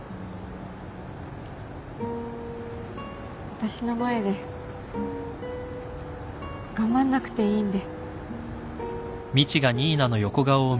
私の前で頑張んなくていいんで。